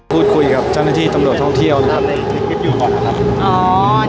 พูดคุยกับเจ้าหน้าที่ตำรวจท่องเที่ยวนะครับในคลิปอยู่ก่อนนะครับ